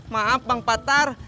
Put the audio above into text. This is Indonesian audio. maaf bang patar